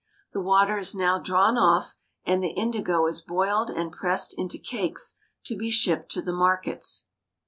The water is now drawn off, and the indigo is boiled and pressed into cakes to be shipped to the markets.